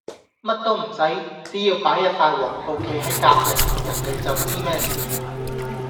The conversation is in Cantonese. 乜都唔洗，只要擺一塊黃布企係隔黎，人地就知咩事。